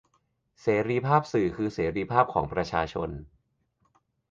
เสรีภาพสื่อคือเสรีภาพของประชาชน